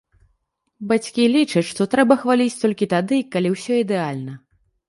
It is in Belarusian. Бацькі лічаць, што трэба хваліць толькі тады, калі ўсё ідэальна.